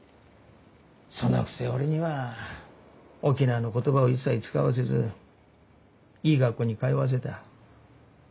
そのくせ俺には沖縄の言葉を一切使わせずいい学校に通わせた。